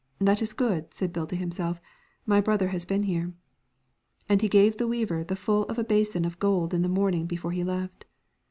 ' That is good,' said Bill to himself, 'my brother has been here.' And he gave the weaver the full of a basin of gold in the morning before he left.